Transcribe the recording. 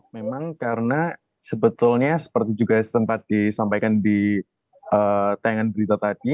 memang karena sebetulnya seperti juga sempat disampaikan di tayangan berita tadi